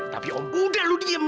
tapi om budha lu diam